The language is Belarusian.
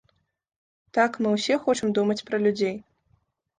Так, мы ўсе хочам думаць пра людзей.